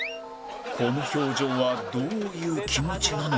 この表情はどういう気持ちなのか？